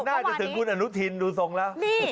น่าจะถึงคุณอนุทินดูทรงแล้ว